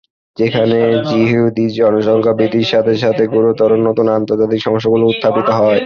সেখানে যিহূদী জনসংখ্যা বৃদ্ধির সাথে সাথে, গুরুতর নতুন আন্তর্জাতিক সমস্যাগুলি উত্থাপিত হবে।